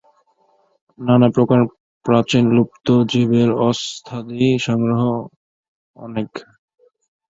নানাপ্রকার প্রাচীন লুপ্ত জীবের অস্থ্যাদি সংগ্রহ অনেক।